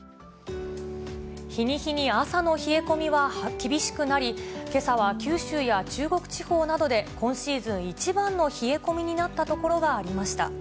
日に日に朝の冷え込みは厳しくなり、けさは九州や中国地方などで、今シーズン一番の冷え込みになった所がありました。